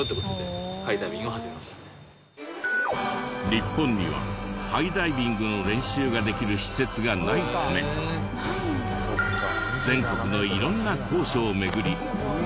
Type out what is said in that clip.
日本にはハイダイビングの練習ができる施設がないため全国の色んな高所を巡り。